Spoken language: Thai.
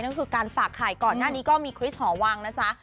นั่นคือการฝากไข่ก่อนหน้านี้ก็มีคริสหอวังนะจ๊ะ